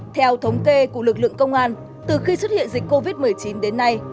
theo thống kê của lực lượng công an từ khi xuất hiện dịch covid một mươi chín đến nay